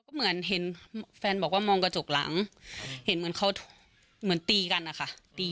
เหมือนเห็นแฟนบอกว่ามองกระจกหลังเห็นเหมือนเขาเหมือนตีกันนะคะ